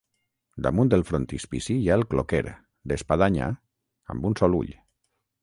Damunt el frontispici hi ha el cloquer, d'espadanya, amb un sol ull.